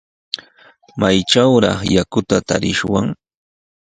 ¿Maytrawraq yakuta tarishwan?